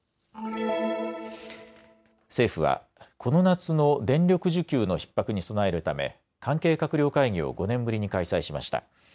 政府はこの夏の電力需給のひっ迫に備えるため関係閣僚会議を５年ぶりに開催しました。